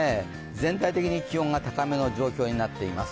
全体的に気温が高めの状況になっています。